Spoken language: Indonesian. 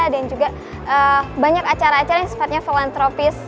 dan juga banyak acara acara yang sepatnya filantropis